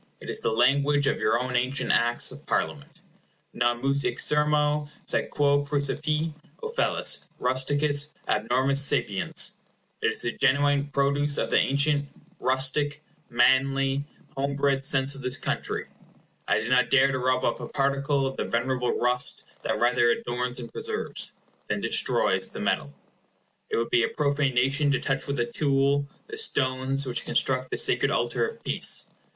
It is the language of your own ancient Acts of Parliament. "Non meus hic sermo, sed quæ præcepit Ofellus, Rusticus, abnormis sapiens." It is the genuine produce of the ancient, rustic, manly, homebred sense of this country.—I did not dare to rub off a particle of the venerable rust that rather adorns and preserves, than destroys, the metal. It would be a profanation to touch with a tool the stones which construct the sacred altar of peace.